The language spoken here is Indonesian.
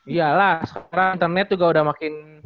iya lah sekarang internet juga udah makin